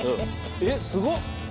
えっすご！